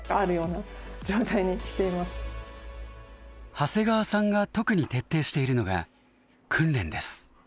長谷川さんが特に徹底しているのが訓練です。